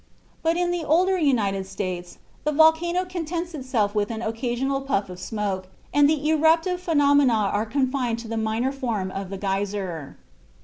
But in the older United States the volcano contents itself with an occasional puff of smoke, and eruptive phenomena are confined to the minor form of the geyser.